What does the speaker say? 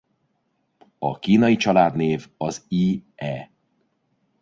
A kínai családnév az i.e.